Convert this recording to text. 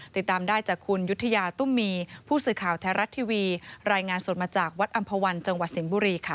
ติดตามได้จากคุณยุธยาตุ้มมีผู้สื่อข่าวไทยรัฐทีวีรายงานสดมาจากวัดอำภาวันจังหวัดสิงห์บุรีค่ะ